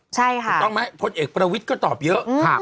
ไม่ต้องไหมพจน์เอกประวิทย์ก็ตอบเยอะ